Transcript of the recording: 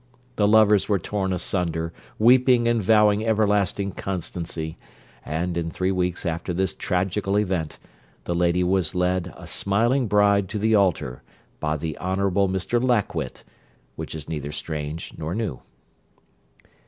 The lovers were torn asunder, weeping and vowing everlasting constancy; and, in three weeks after this tragical event, the lady was led a smiling bride to the altar, by the Honourable Mr Lackwit; which is neither strange nor new.